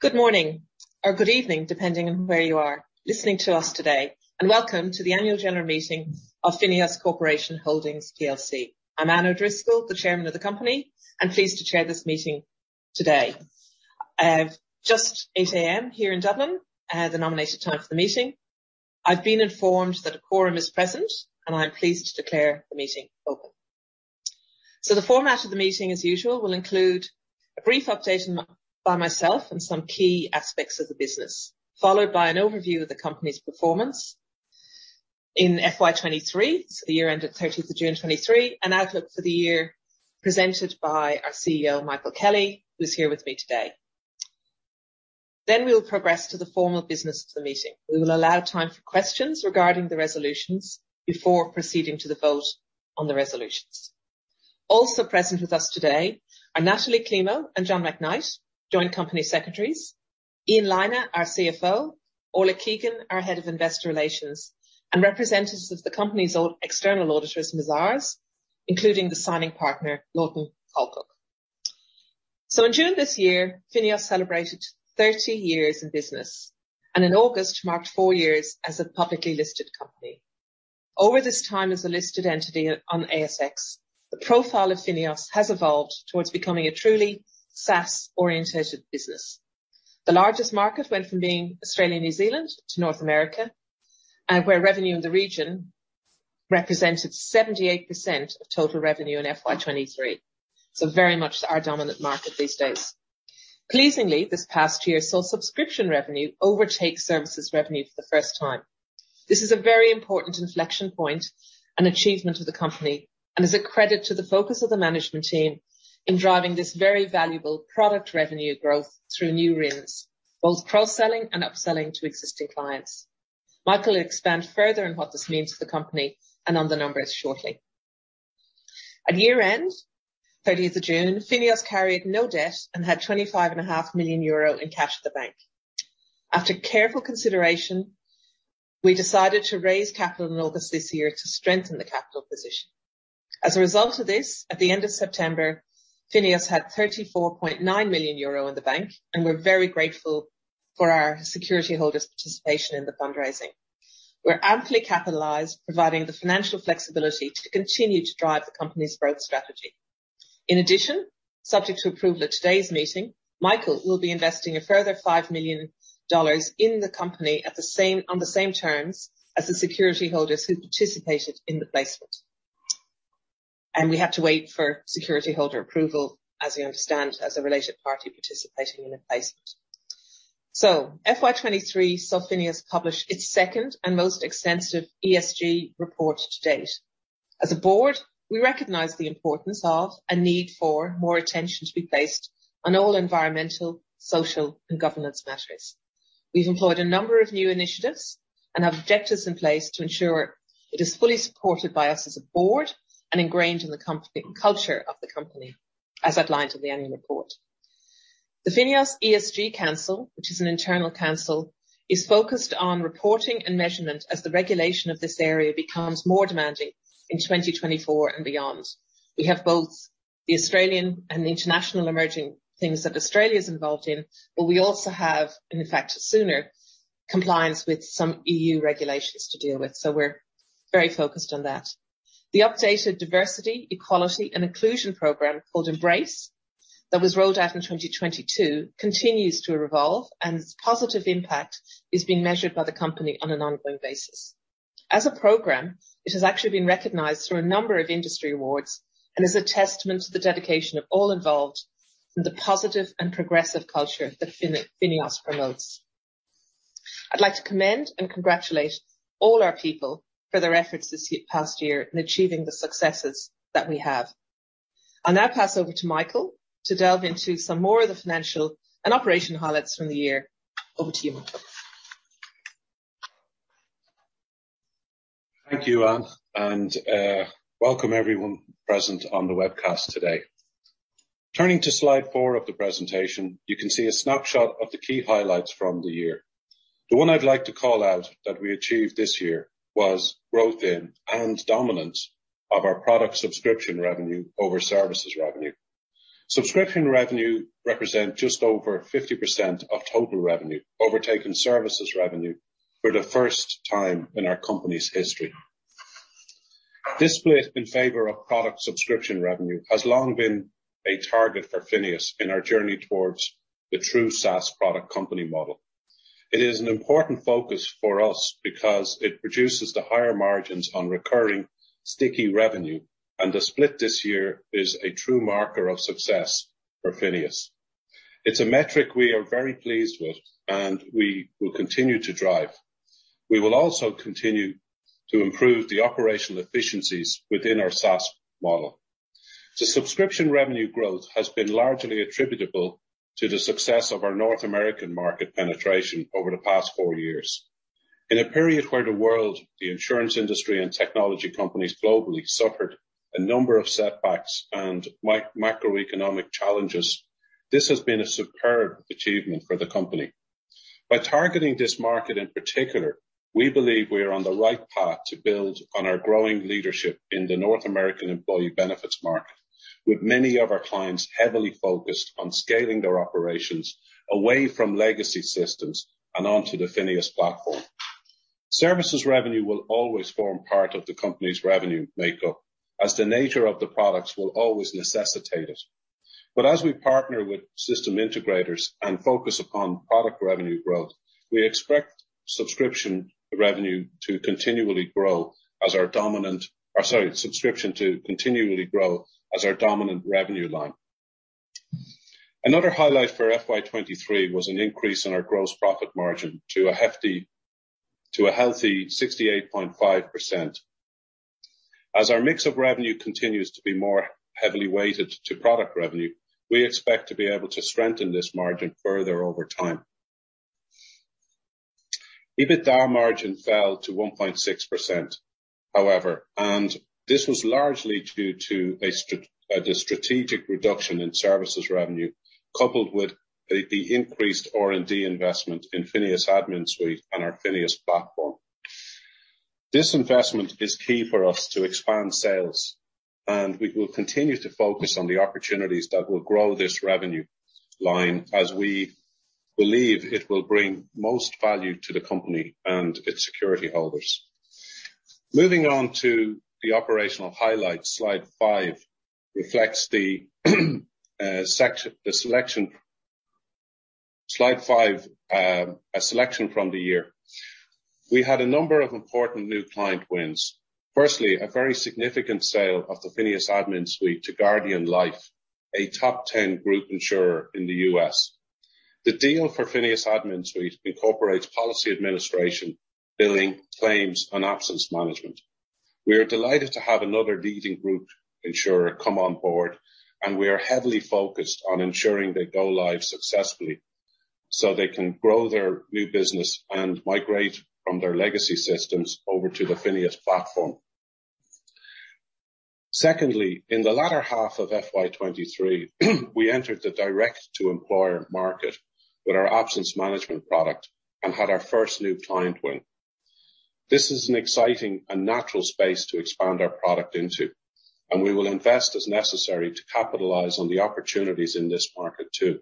Good morning or good evening, depending on where you are listening to us today, and welcome to the Annual General Meeting of FINEOS Corporation Holdings plc. I'm Anne O'Driscoll, the Chairman of the company, and pleased to chair this meeting today. Just 8:00 A.M. here in Dublin, the nominated time for the meeting. I've been informed that a quorum is present, and I'm pleased to declare the meeting open. So the format of the meeting, as usual, will include a brief update by myself and some key aspects of the business, followed by an overview of the company's performance in FY 2023, so the year ended 30 June 2023, and outlook for the year, presented by our CEO, Michael Kelly, who's here with me today. Then we'll progress to the formal business of the meeting. We will allow time for questions regarding the resolutions before proceeding to the vote on the resolutions. Also present with us today are Natalie Climo and John McKnight, Joint Company Secretaries, Ian Lynagh, our CFO, Orla Keegan, our Head of Investor Relations, and representatives of the company's external auditors, Mazars, including the signing partner, Lorcan Colclough. So in June this year, FINEOS celebrated 30 years in business, and in August, marked 4 years as a publicly listed company. Over this time, as a listed entity on ASX, the profile of FINEOS has evolved towards becoming a truly SaaS-oriented business. The largest market went from being Australia and New Zealand to North America, and where revenue in the region represented 78% of total revenue in FY 2023. So very much our dominant market these days. Pleasingly, this past year saw subscription revenue overtake services revenue for the first time. This is a very important inflection point and achievement of the company, and is a credit to the focus of the management team in driving this very valuable product revenue growth through new wins, both cross-selling and upselling to existing clients. Michael will expand further on what this means to the company and on the numbers shortly. At year-end, 30th of June, FINEOS carried no debt and had 25.5 million euro in cash at the bank. After careful consideration, we decided to raise capital in August this year to strengthen the capital position. As a result of this, at the end of September, FINEOS had 34.9 million euro in the bank, and we're very grateful for our security holders' participation in the fundraising. We're amply capitalized, providing the financial flexibility to continue to drive the company's growth strategy. In addition, subject to approval at today's meeting, Michael will be investing a further $5 million in the company on the same terms as the security holders who participated in the placement. We have to wait for security holder approval, as you understand, as a related party participating in the placement. FY 2023 saw FINEOS publish its second and most extensive ESG report to date. As a board, we recognize the importance of and need for more attention to be placed on all environmental, social, and governance matters. We've employed a number of new initiatives and have objectives in place to ensure it is fully supported by us as a board and ingrained in the company culture of the company, as outlined in the annual report. The FINEOS ESG Council, which is an internal council, is focused on reporting and measurement as the regulation of this area becomes more demanding in 2024 and beyond. We have both the Australian and the international emerging things that Australia is involved in, but we also have, and in fact, sooner, compliance with some EU regulations to deal with, so we're very focused on that. The updated diversity, equality, and inclusion program, called Embrace, that was rolled out in 2022, continues to evolve, and its positive impact is being measured by the company on an ongoing basis. As a program, it has actually been recognized through a number of industry awards and is a testament to the dedication of all involved and the positive and progressive culture that FINEOS promotes. I'd like to commend and congratulate all our people for their efforts this past year in achieving the successes that we have. I'll now pass over to Michael to delve into some more of the financial and operational highlights from the year. Over to you, Michael. Thank you, Anne, and welcome everyone present on the webcast today. Turning to slide 4 of the presentation, you can see a snapshot of the key highlights from the year. The one I'd like to call out that we achieved this year was growth in and dominance of our product subscription revenue over services revenue. Subscription revenue represent just over 50% of total revenue, overtaking services revenue for the first time in our company's history. This split in favor of product subscription revenue has long been a target for FINEOS in our journey towards the true SaaS product company model. It is an important focus for us because it reduces the higher margins on recurring sticky revenue, and the split this year is a true marker of success for FINEOS. It's a metric we are very pleased with, and we will continue to drive. We will also continue to improve the operational efficiencies within our SaaS model. The subscription revenue growth has been largely attributable to the success of our North American market penetration over the past four years. In a period where the world, the insurance industry, and technology companies globally suffered a number of setbacks and macroeconomic challenges, this has been a superb achievement for the company. By targeting this market in particular, we believe we are on the right path to build on our growing leadership in the North American employee benefits market, with many of our clients heavily focused on scaling their operations away from legacy systems and onto the FINEOS platform. Services revenue will always form part of the company's revenue makeup, as the nature of the products will always necessitate it. But as we partner with system integrators and focus upon product revenue growth, we expect subscription revenue to continually grow as our dominant revenue line. Another highlight for FY 2023 was an increase in our gross profit margin to a healthy 68.5%. As our mix of revenue continues to be more heavily weighted to product revenue, we expect to be able to strengthen this margin further over time. EBITDA margin fell to 1.6%, however, and this was largely due to the strategic reduction in services revenue, coupled with the increased R&D investment in FINEOS AdminSuite and our FINEOS Platform. This investment is key for us to expand sales, and we will continue to focus on the opportunities that will grow this revenue line, as we believe it will bring most value to the company and its security holders. Moving on to the operational highlights, slide five reflects the selection. Slide five, a selection from the year. We had a number of important new client wins. Firstly, a very significant sale of the FINEOS AdminSuite to Guardian Life, a top 10 group insurer in the U.S. The deal for FINEOS AdminSuite incorporates policy administration, billing, claims, and absence management. We are delighted to have another leading group insurer come on board, and we are heavily focused on ensuring they go live successfully, so they can grow their new business and migrate from their legacy systems over to the FINEOS platform. Secondly, in the latter half of FY 2023, we entered the direct-to-employer market with our absence management product and had our first new client win. This is an exciting and natural space to expand our product into, and we will invest as necessary to capitalize on the opportunities in this market, too.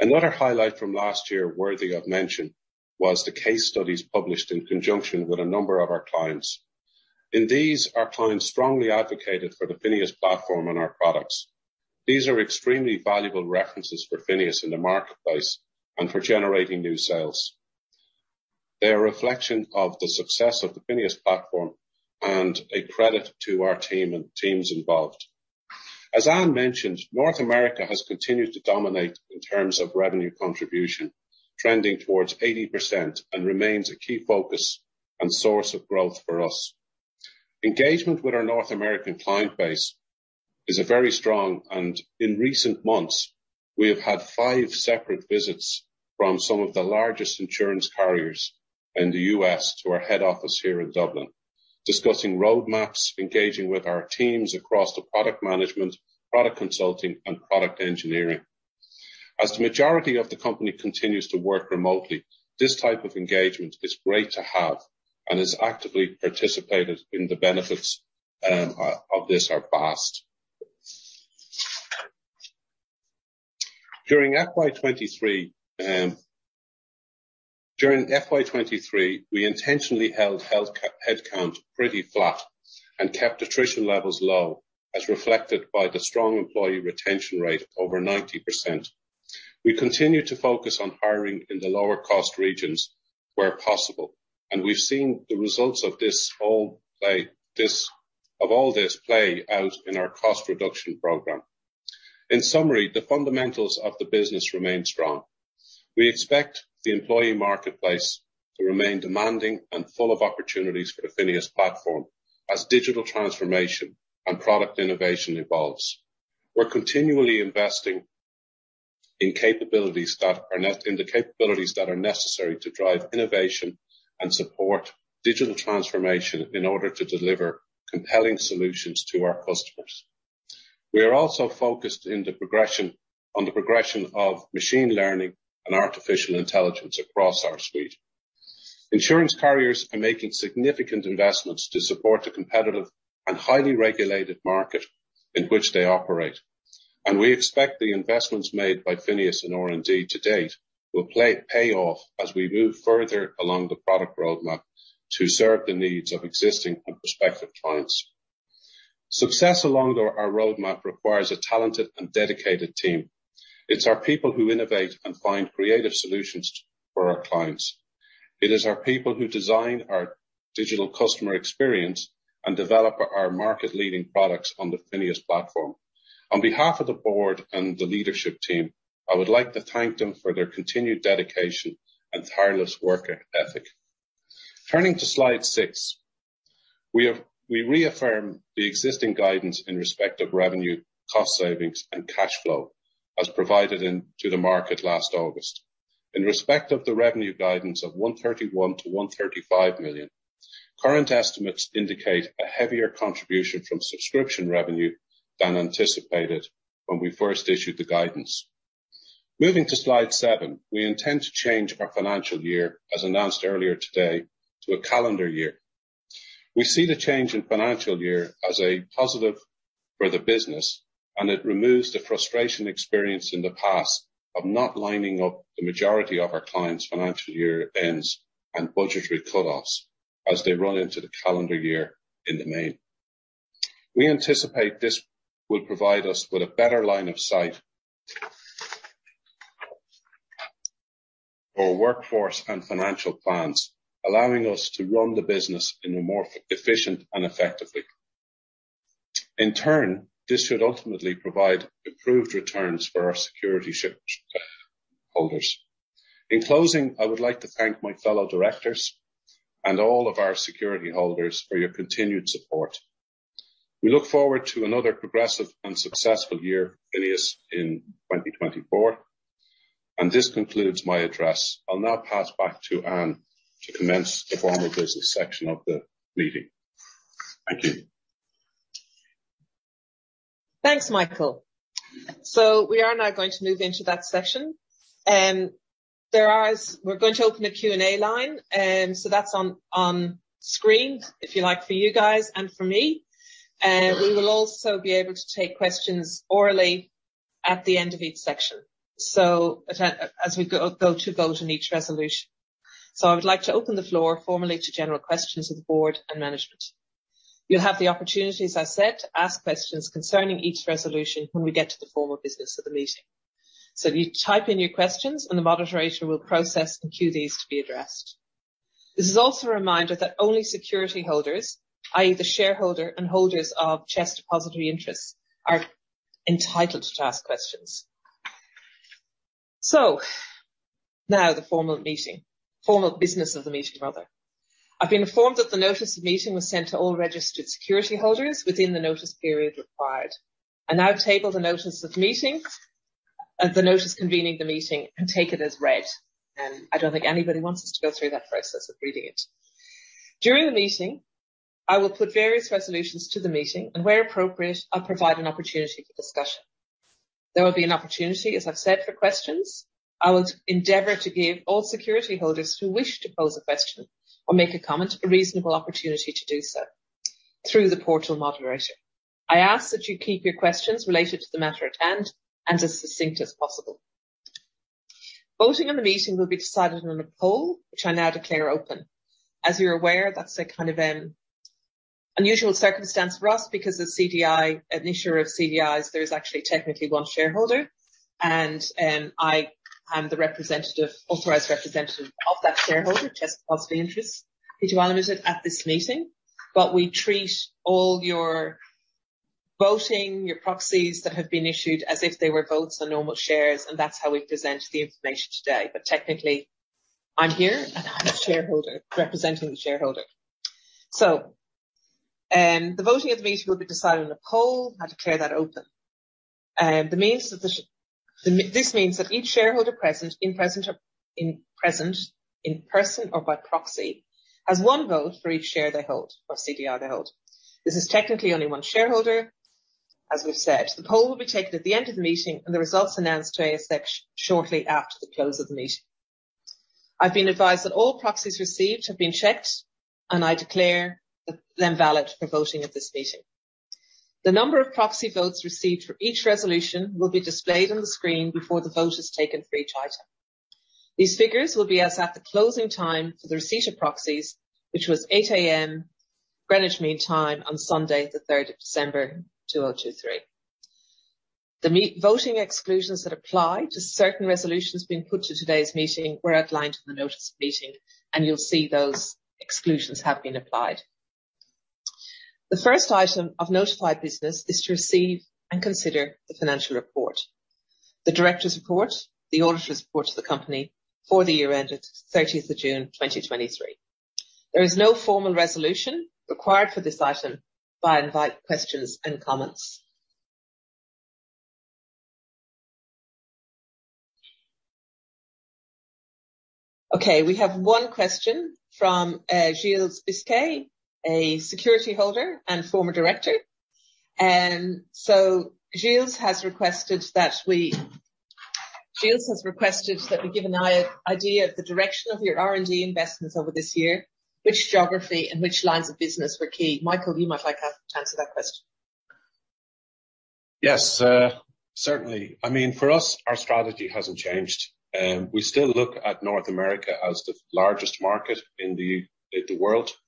Another highlight from last year worthy of mention was the case studies published in conjunction with a number of our clients. In these, our clients strongly advocated for the FINEOS platform and our products. These are extremely valuable references for FINEOS in the marketplace and for generating new sales. They are a reflection of the success of the FINEOS platform and a credit to our team and teams involved. As Anne mentioned, North America has continued to dominate in terms of revenue contribution, trending towards 80% and remains a key focus and source of growth for us. Engagement with our North American client base is very strong, and in recent months, we have had five separate visits from some of the largest insurance carriers in the U.S. to our head office here in Dublin, discussing roadmaps, engaging with our teams across the product management, product consulting, and product engineering. As the majority of the company continues to work remotely, this type of engagement is great to have and is actively participated in. The benefits of this are vast. During FY 2023, we intentionally held headcount pretty flat and kept attrition levels low, as reflected by the strong employee retention rate, over 90%. We continue to focus on hiring in the lower-cost regions where possible, and we've seen the results of all this play out in our cost reduction program. In summary, the fundamentals of the business remain strong. We expect the employee marketplace to remain demanding and full of opportunities for the FINEOS platform as digital transformation and product innovation evolves. We're continually investing in capabilities that are necessary to drive innovation and support digital transformation in order to deliver compelling solutions to our customers. We are also focused on the progression of machine learning and artificial intelligence across our suite. Insurance carriers are making significant investments to support the competitive and highly regulated market in which they operate, and we expect the investments made by FINEOS and R&D to date will pay off as we move further along the product roadmap to serve the needs of existing and prospective clients. Success along our roadmap requires a talented and dedicated team. It's our people who innovate and find creative solutions for our clients. It is our people who design our digital customer experience and develop our market-leading products on the FINEOS platform. On behalf of the board and the leadership team, I would like to thank them for their continued dedication and tireless work ethic. Turning to slide 6, we have, we reaffirm the existing guidance in respect of revenue, cost savings, and cash flow, as provided in to the market last August. In respect of the revenue guidance of 131 million-135 million, current estimates indicate a heavier contribution from subscription revenue than anticipated... when we first issued the guidance. Moving to slide 7, we intend to change our financial year, as announced earlier today, to a calendar year. We see the change in financial year as a positive for the business, and it removes the frustration experienced in the past of not lining up the majority of our clients' financial year ends and budgetary cut-offs as they run into the calendar year in the main. We anticipate this will provide us with a better line of sight for workforce and financial plans, allowing us to run the business in a more efficient and effective. In turn, this should ultimately provide improved returns for our securityholders. In closing, I would like to thank my fellow directors and all of our securityholders for your continued support. We look forward to another progressive and successful year, FINEOS, in 2024, and this concludes my address. I'll now pass back to Anne to commence the formal business section of the meeting. Thank you. Thanks, Michael. So we are now going to move into that session. There, we're going to open a Q&A line, so that's on screen, if you like, for you guys and for me. We will also be able to take questions orally at the end of each section. So as we go to vote on each resolution. So I would like to open the floor formally to general questions of the board and management. You'll have the opportunity, as I said, to ask questions concerning each resolution when we get to the formal business of the meeting. So you type in your questions, and the moderator will process and queue these to be addressed. This is also a reminder that only security holders, i.e., shareholders and holders of CHESS Depositary Interests, are entitled to ask questions. So now the formal meeting, formal business of the meeting, rather. I've been informed that the notice of meeting was sent to all registered security holders within the notice period required. I now table the notice of meeting, the notice convening the meeting, and take it as read, and I don't think anybody wants us to go through that process of reading it. During the meeting, I will put various resolutions to the meeting, and where appropriate, I'll provide an opportunity for discussion. There will be an opportunity, as I've said, for questions. I will endeavor to give all security holders who wish to pose a question or make a comment, a reasonable opportunity to do so through the portal moderator. I ask that you keep your questions related to the matter at hand and as succinct as possible. Voting in the meeting will be decided on a poll, which I now declare open. As you're aware, that's a kind of unusual circumstance for us, because as CDI, an issuer of CDIs, there's actually technically one shareholder, and I am the representative, authorized representative of that shareholder, CHESS Depositary Interests, who to manage it at this meeting. But we treat all your voting, your proxies that have been issued as if they were votes on normal shares, and that's how we present the information today. But technically, I'm here, and I'm the shareholder, representing the shareholder. So, the voting at the meeting will be decided on a poll. I declare that open. This means that each shareholder present, in person or by proxy, has one vote for each share they hold or CDI they hold. This is technically only one shareholder, as we've said. The poll will be taken at the end of the meeting, and the results announced to ASX shortly after the close of the meeting. I've been advised that all proxies received have been checked, and I declare them valid for voting at this meeting. The number of proxy votes received for each resolution will be displayed on the screen before the vote is taken for each item. These figures will be as at the closing time for the receipt of proxies, which was 8:00 A.M., Greenwich Mean Time, on Sunday, the 3rd of December, 2023. The meeting voting exclusions that apply to certain resolutions being put to today's meeting were outlined in the notice of meeting, and you'll see those exclusions have been applied. The first item of notified business is to receive and consider the financial report, the director's report, the auditor's report to the company for the year ended 30th of June 2023. There is no formal resolution required for this item. But I invite questions and comments. Okay, we have one question from Gilles Biscay, a security holder and former director. So Gilles has requested that we give an idea of the direction of your R&D investments over this year, which geography and which lines of business were key. Michael, you might like to answer that question. Yes, certainly. I mean, for us, our strategy hasn't changed. We still look at North America as the largest market in the world,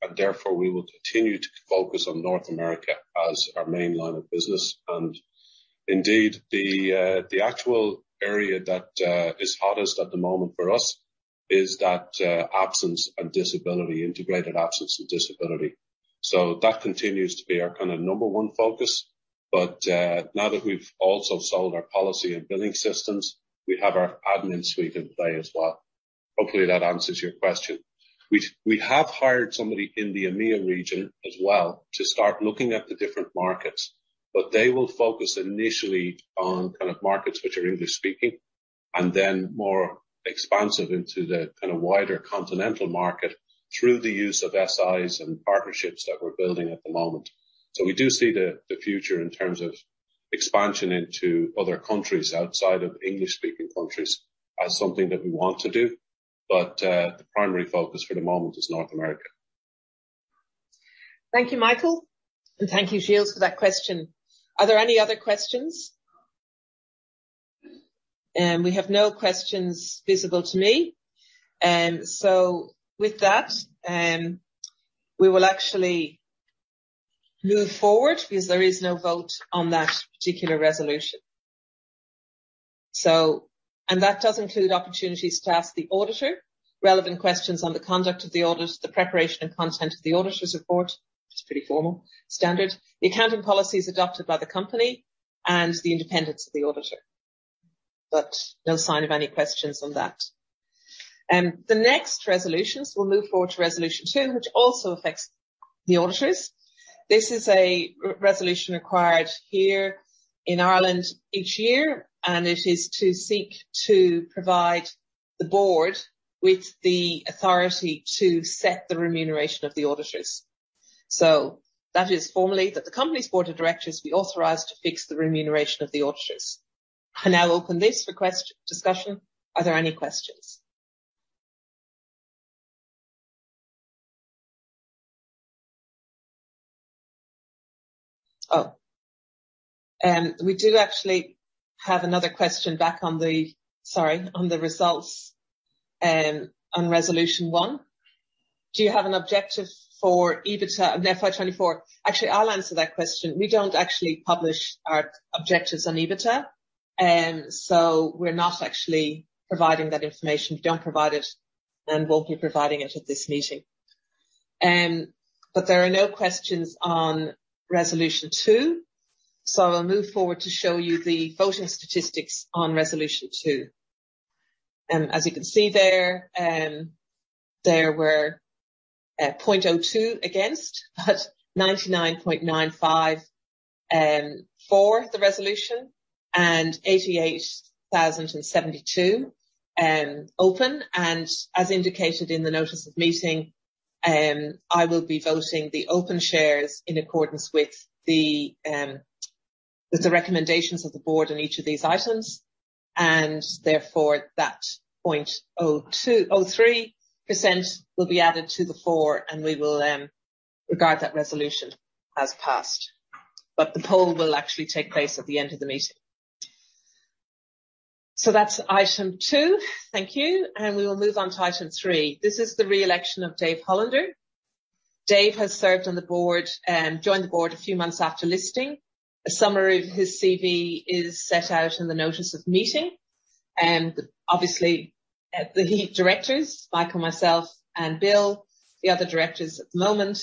and therefore, we will continue to focus on North America as our main line of business. And indeed, the actual area that is hottest at the moment for us is that absence and disability, integrated absence and disability. So that continues to be our kind of number one focus. But now that we've also sold our policy and billing systems, we have our admin suite in play as well. Hopefully, that answers your question. We have hired somebody in the EMEA region as well to start looking at the different markets, but they will focus initially on kind of markets which are English-speaking.... and then more expansive into the kind of wider continental market through the use of SIs and partnerships that we're building at the moment. So we do see the future in terms of expansion into other countries outside of English-speaking countries as something that we want to do, but the primary focus for the moment is North America. Thank you, Michael, and thank you, Gilles, for that question. Are there any other questions? We have no questions visible to me. With that, we will actually move forward because there is no vote on that particular resolution. That does include opportunities to ask the auditor relevant questions on the conduct of the audit, the preparation and content of the auditor's report, which is pretty formal, standard. The accounting policies adopted by the company and the independence of the auditor, but no sign of any questions on that. The next resolutions, we'll move forward to resolution two, which also affects the auditors. This is a re-resolution required here in Ireland each year, and it is to seek to provide the board with the authority to set the remuneration of the auditors. So that is formally, that the company's board of directors be authorized to fix the remuneration of the auditors. I now open this for discussion. Are there any questions? We do actually have another question back on the... Sorry, on the results, on resolution one. Do you have an objective for EBITDA in FY 2024? Actually, I'll answer that question. We don't actually publish our objectives on EBITDA, so we're not actually providing that information. We don't provide it, and won't be providing it at this meeting. But there are no questions on resolution two, so I'll move forward to show you the voting statistics on resolution two. As you can see there, there were 0.02% against, but 99.95% for the resolution, and 88,072 open. As indicated in the notice of meeting, I will be voting the open shares in accordance with the, with the recommendations of the board on each of these items, and therefore, that 0.02%-0.03% will be added to the 4, and we will, regard that resolution as passed. But the poll will actually take place at the end of the meeting. That's item 2. Thank you, and we will move on to item 3. This is the re-election of Dave Hollander. Dave has served on the board, joined the board a few months after listing. A summary of his CV is set out in the notice of meeting, and obviously, the directors, Michael, myself, and Bill, the other directors at the moment,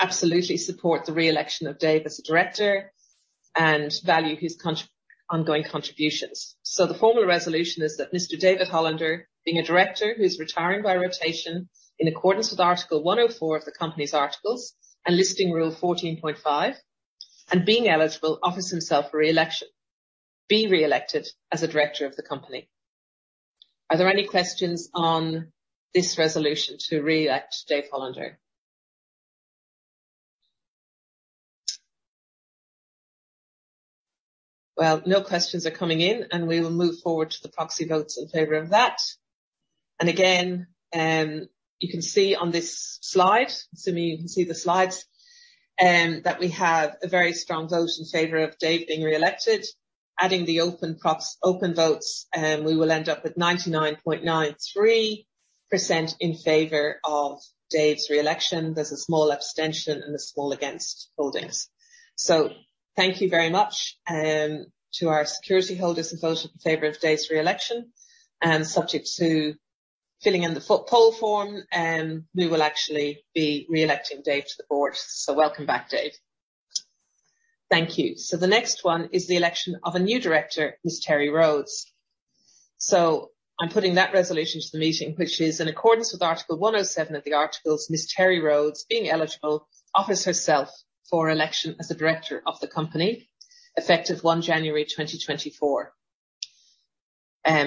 absolutely support the re-election of Dave as a director and value his ongoing contributions. So the formal resolution is that Mr. David Hollander, being a director who's retiring by rotation in accordance with Article 104 of the company's articles and Listing Rule 14.5, and being eligible, offers himself for re-election. Be re-elected as a director of the company. Are there any questions on this resolution to re-elect Dave Hollander? Well, no questions are coming in, and we will move forward to the proxy votes in favor of that. And again, you can see on this slide, assuming you can see the slides, that we have a very strong vote in favor of Dave being re-elected. Adding the open proxy votes, we will end up with 99.93% in favor of Dave's re-election. There's a small abstention and a small against holdings. So thank you very much to our security holders who voted in favor of Dave's re-election, subject to filling in the poll form, we will actually be re-electing Dave to the board. Welcome back, Dave. Thank you. The next one is the election of a new director, Ms. Terri Rhodes. I'm putting that resolution to the meeting, which is in accordance with Article 107 of the articles. Ms. Terri Rhodes, being eligible, offers herself for election as a director of the company, effective 1 January 2024.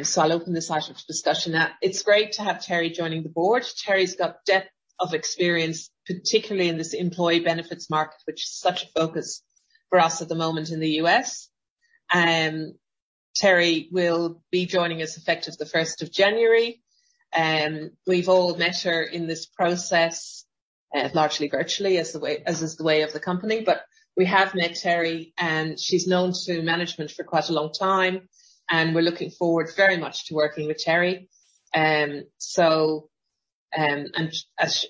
So I'll open this item to discussion now. It's great to have Terri joining the board. Terri's got depth of experience, particularly in this employee benefits market, which is such a focus for us at the moment in the U.S. Terri will be joining us effective 1 January. We've all met her in this process, largely virtually, as is the way of the company. But we have met Terri, and she's known to management for quite a long time, and we're looking forward very much to working with Terri. So, as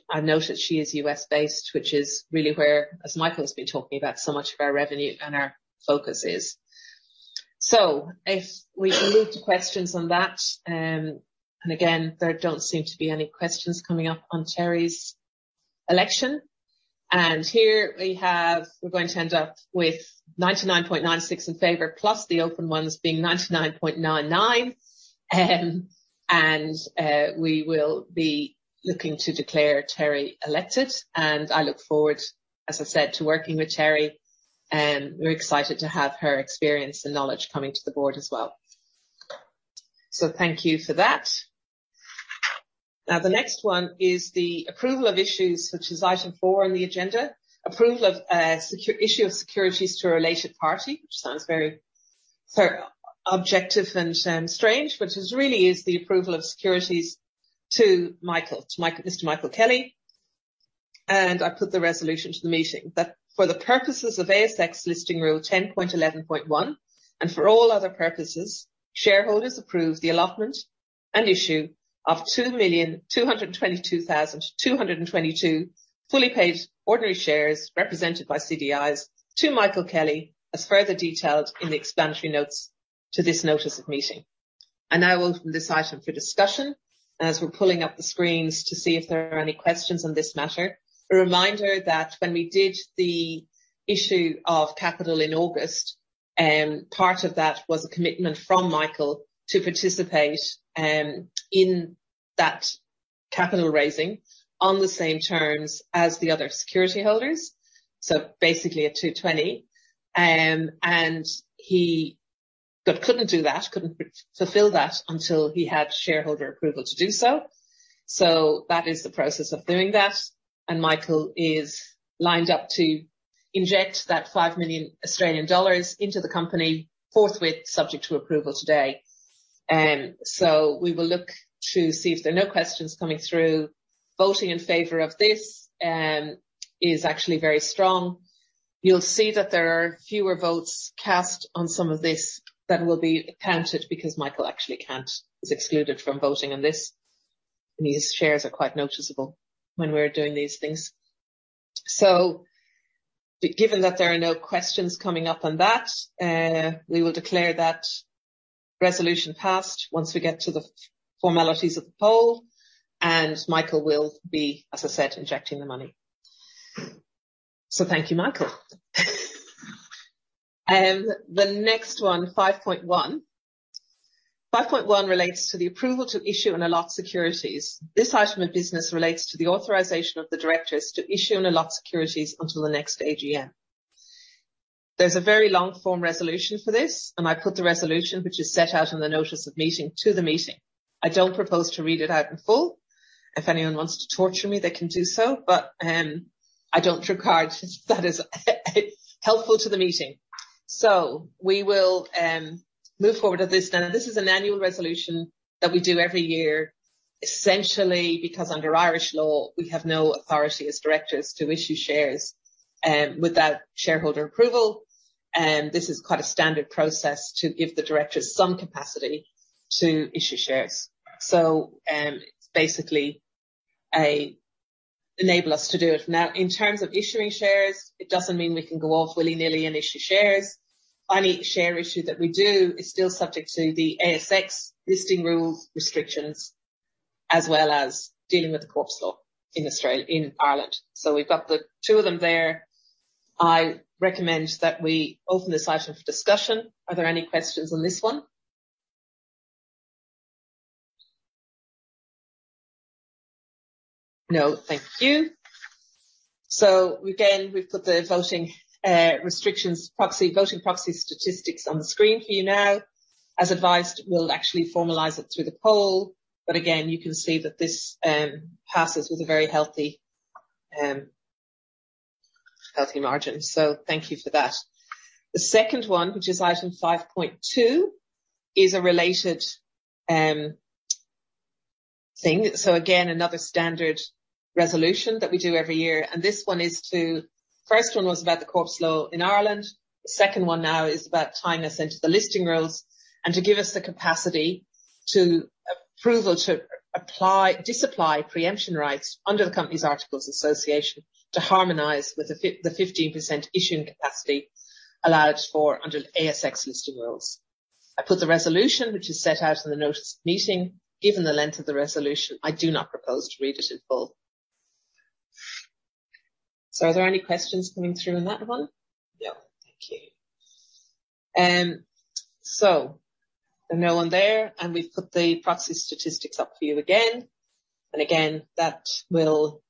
I noted, she is U.S.-based, which is really where, as Michael has been talking about, so much of our revenue and our focus is. So if we can move to questions on that, and again, there don't seem to be any questions coming up on Terri's election. Here we have... We're going to end up with 99.96% in favor, plus the open ones being 99.99%.... We will be looking to declare Terri elected, and I look forward, as I said, to working with Terri, and we're excited to have her experience and knowledge coming to the board as well. So thank you for that. Now, the next one is the approval of issues, which is item four on the agenda. Approval of issue of securities to a related party, which sounds very sort of objective and strange, but it really is the approval of securities to Michael, to Mr. Michael Kelly. I put the resolution to the meeting, that for the purposes of ASX Listing Rule 10.11.1, and for all other purposes, shareholders approve the allotment and issue of 2,222,222 fully paid ordinary shares, represented by CDIs to Michael Kelly, as further detailed in the explanatory notes to this notice of meeting. I now open this item for discussion. As we're pulling up the screens to see if there are any questions on this matter, a reminder that when we did the issue of capital in August, part of that was a commitment from Michael to participate, in that capital raising on the same terms as the other security holders. So basically at 2.20, and he but couldn't do that, couldn't fulfill that until he had shareholder approval to do so. So that is the process of doing that, and Michael is lined up to inject that 5 million Australian dollars into the company forthwith, subject to approval today. So we will look to see if there are no questions coming through. Voting in favor of this is actually very strong. You'll see that there are fewer votes cast on some of this that will be counted because Michael actually can't... He's excluded from voting on this, and his shares are quite noticeable when we're doing these things. So given that there are no questions coming up on that, we will declare that resolution passed once we get to the formalities of the poll, and Michael will be, as I said, injecting the money. So thank you, Michael. The next one, 5.1. 5.1 relates to the approval to issue and allot securities. This item of business relates to the authorization of the directors to issue and allot securities until the next AGM. There's a very long form resolution for this, and I put the resolution, which is set out in the notice of meeting, to the meeting. I don't propose to read it out in full. If anyone wants to torture me, they can do so, but I don't regard that as helpful to the meeting. So we will move forward with this. Now, this is an annual resolution that we do every year, essentially because under Irish law, we have no authority as directors to issue shares without shareholder approval, and this is quite a standard process to give the directors some capacity to issue shares. So it's basically to enable us to do it. Now, in terms of issuing shares, it doesn't mean we can go off willy-nilly and issue shares. Any share issue that we do is still subject to the ASX listing rules, restrictions, as well as dealing with the corporate law in Australia - in Ireland. So we've got the two of them there. I recommend that we open this item for discussion. Are there any questions on this one? No. Thank you. So again, we've put the voting, restrictions, proxy, voting proxy statistics on the screen for you now. As advised, we'll actually formalize it through the poll, but again, you can see that this, passes with a very healthy, healthy margin. So thank you for that. The second one, which is item 5.2, is a related, thing. So again, another standard resolution that we do every year, and this one is to... First one was about the corporate law in Ireland. The second one now is about tying us into the listing rules and to give us the capacity to approval to apply, disapply pre-emption rights under the company's Articles Association, to harmonize with the 15% issuing capacity allowed for under the ASX listing rules. I put the resolution, which is set out in the notice of meeting. Given the length of the resolution, I do not propose to read it in full. So are there any questions coming through on that one? No. Thank you. So no one there, and we've put the proxy statistics up for you again. And again, that will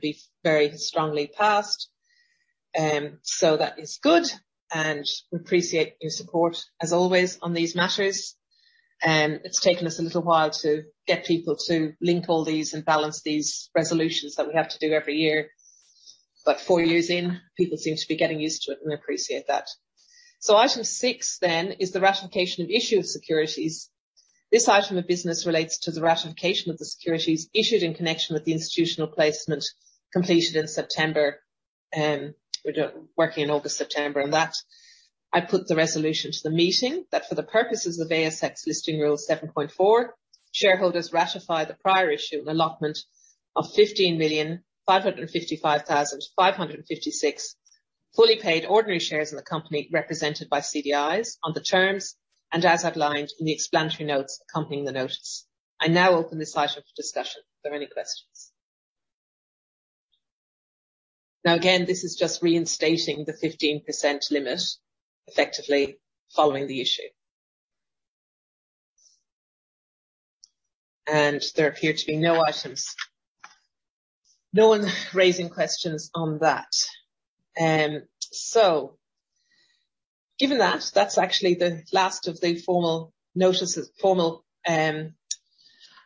be very strongly passed. So that is good, and we appreciate your support as always on these matters. It's taken us a little while to get people to link all these and balance these resolutions that we have to do every year, but 4 years in, people seem to be getting used to it, and we appreciate that. So Item 6 then is the ratification of issue of securities. This item of business relates to the ratification of the securities issued in connection with the institutional placement completed in September. We're working in August, September, on that. I put the resolution to the meeting, that for the purposes of ASX Listing Rule 7.4, shareholders ratify the prior issue and allotment of 15,555,556 fully paid ordinary shares in the company, represented by CDIs on the terms and as outlined in the explanatory notes accompanying the notice. I now open this item for discussion. Are there any questions? Now, again, this is just reinstating the 15% limit, effectively following the issue. And there appear to be no items. No one raising questions on that. So given that, that's actually the last of the formal notices, formal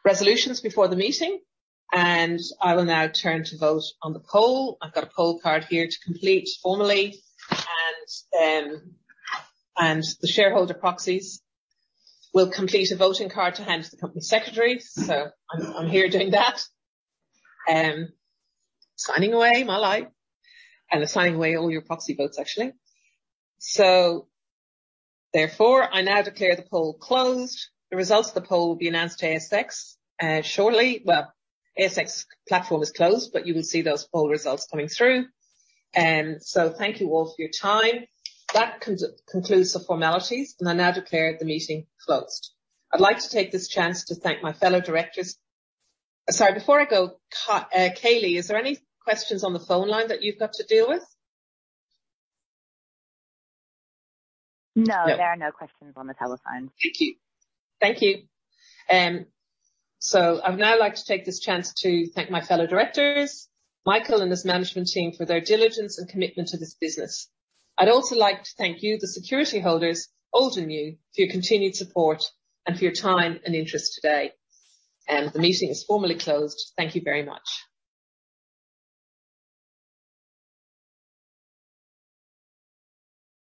resolutions before the meeting, and I will now turn to vote on the poll. I've got a poll card here to complete formally, and the shareholder proxies will complete a voting card to hand to the company secretary. So I'm here doing that, signing away my life and signing away all your proxy votes, actually. So therefore, I now declare the poll closed. The results of the poll will be announced to ASX shortly. Well, ASX platform is closed, but you will see those poll results coming through. So thank you all for your time. That concludes the formalities, and I now declare the meeting closed. I'd like to take this chance to thank my fellow directors. Sorry, before I go, Kaylee, is there any questions on the phone line that you've got to deal with? No, there are no questions on the telephone. Thank you. Thank you. I'd now like to take this chance to thank my fellow directors, Michael and his management team for their diligence and commitment to this business. I'd also like to thank you, the security holders, old and new, for your continued support and for your time and interest today. The meeting is formally closed. Thank you very much.